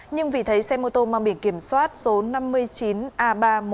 nhưng vì thấy xe mô tô mang biển kiểm soát số năm mươi chín a ba một mươi một nghìn năm trăm tám mươi tám